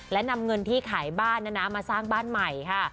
และนำเงินที่ขายบ้านมาสร้างบ้านใหม่ค่ะ